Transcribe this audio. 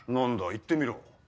言ってみろ。